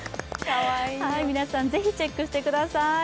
皆さんぜひチェックしてください。